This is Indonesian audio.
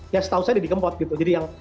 ya setahu saya didi kempot gitu